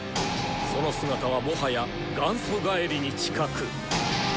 その姿はもはや「元祖返り」に近く。